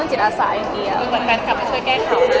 คุณเหมือนกันครับไม่ช่วยแก้ข่าว